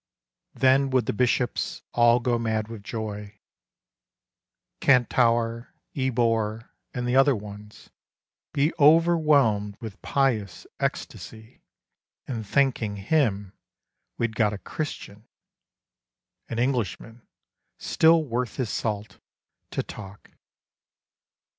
' Then would the Bishops all go mad with joy, Cantuar, E bore and the other ones Be overwhelmed with pious ecstasy In thanking Him we'd got a Christian — An Englishman — still worth his salt — to talk.